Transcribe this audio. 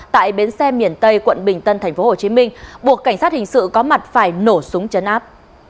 tại bến xe miền tây quận bình tân tp hcm buộc cảnh sát hình sự có mặt phải nổ súng chấn áp